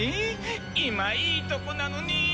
今いいとこなのに！